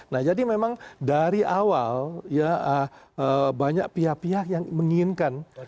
nah jadi memang dari awal ya banyak pihak pihak yang menginginkan